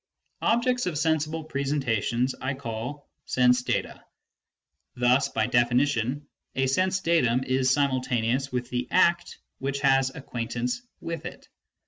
Objects of sensible presentations I call " sense data ". Thus by definition a sense datum is simultaneous with the act which has acquaintance with it.